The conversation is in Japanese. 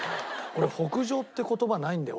「北上」って言葉ないんだよ